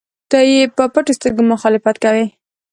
نه یې په پټو سترګو مخالفت کوي.